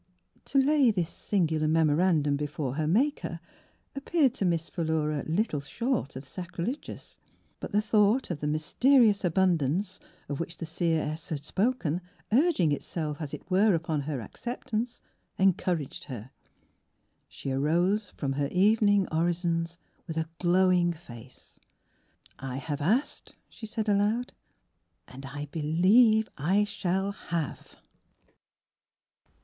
" To lay this singular mem orandum before her Maker appeared to Miss Philura little short of sacrilegious; but the thought of the mysterious Abundance of which the seer ess had spoken, urging itself, 33 The Transjiguration of as it were, upon her accept ance, encouraged her. She arose from her evening orisons with a glowing face. '*■ I have asked," she said aloud, "and I believe I shall have."